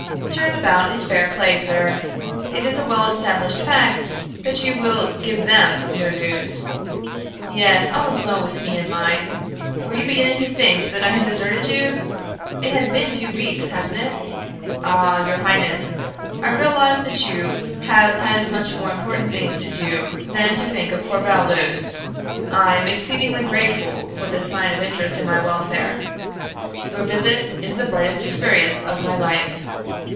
"Turn about is fair play, sir. It is a well established fact that you will give them no news. Yes, all is well with me and mine. Were you beginning to think that I had deserted you? It has been two weeks, hasn't it?" "Ah, your highness, I realize that you have had much more important things to do than to think of poor Baldos, I am exceedingly grateful for this sign of interest in my welfare. Your visit is the brightest experience of my life."